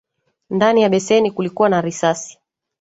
Ndani ya beseni kulikua na risasi